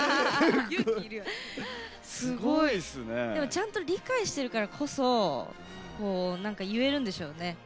ちゃんと理解しているからこそ言えるんでしょうね。